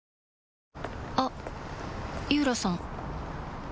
あっ井浦さん